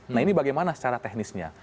nah ini bagaimana secara teknisnya